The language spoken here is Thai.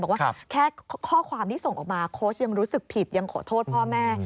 บอกว่าแค่ข้อความที่ส่งออกมาโค้ชยังรู้สึกผิดยังขอโทษพ่อแม่